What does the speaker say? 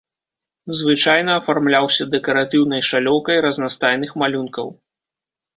Звычайна афармляўся дэкаратыўнай шалёўкай разнастайных малюнкаў.